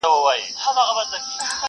چي ته مه ژاړه پیسې مو دربخښلي٫